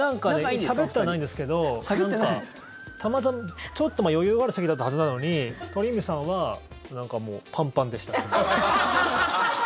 しゃべってはないんですけどたまたま、ちょっと余裕がある席だったはずなのに鳥海さんはなんかもう、パンパンでした。